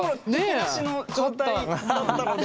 敵なしの状態だったので。